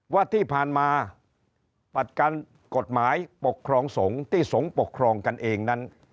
ว่าที่ผ่านมาปัดการกฎหมายปกครองสงฆ์ที่สงฆ์ปกครองกันเองนั้น